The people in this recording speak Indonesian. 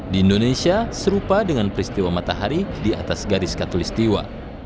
di indonesia serupa dengan peristiwa matahari di atas garis katolistiwa